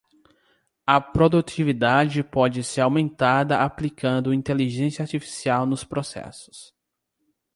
A produtividade pode ser aumentada aplicando inteligência artificial nos processos